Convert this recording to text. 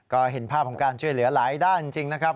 ก็เห็นภาพของการช่วยเหลือหลายด้านจริงนะครับ